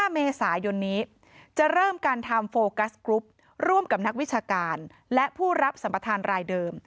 ๕เมษายนนี้จะเริ่มการทำโฟกัสกรุ๊ปร่วมกับนักวิชาการและผู้รับสัมประธานรายเดิม